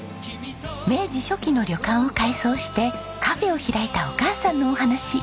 明治初期の旅館を改装してカフェを開いたお母さんのお話。